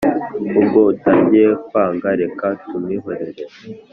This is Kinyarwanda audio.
Ubwo utangiye kwanga reka tumwihorere